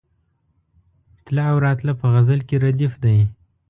تله او راتله په غزل کې ردیف دی.